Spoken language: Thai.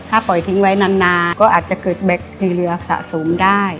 ถ้าปล่อยทิ้งไว้นานก็อาจจะเกิดแบ็คในเรือสะสมได้